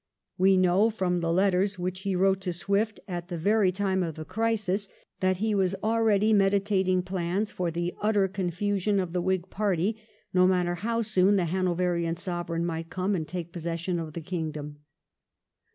We know from the letters which he wrote to Swift, at the very time of the crisis, that 368 THE REIGN OF QUEEN ANNE. oh. xxxviii. he was already meditating plans for the utter confusion of the Whig party, no matter how soon the Hanoverian Sovereign might come and take pos session of the kingdom.